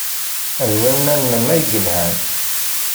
D winna-nnem ay yelhan.